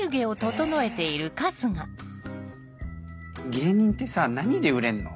芸人ってさ何で売れんの？